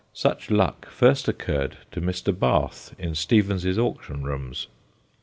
Such luck first occurred to Mr. Bath, in Stevens' Auction Rooms.